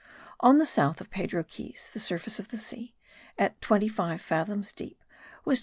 On the south of Pedro Keys the surface of the sea, at twenty five fathoms deep, was 26.